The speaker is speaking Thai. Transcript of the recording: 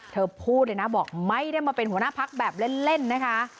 เธอพูดเลยนะบอกไม่ได้มาเป็นหัวหน้าพักแบบเล่นนะคะ